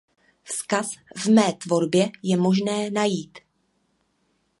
Vzkaz v mé tvorbě je možné najít.